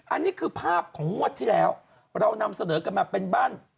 อันนี้คือภาพของงวดที่แล้วเรานำเสนอกันมาเป็นบ้าน